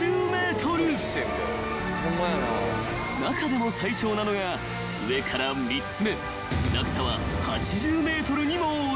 ［中でも最長なのが上から３つ目］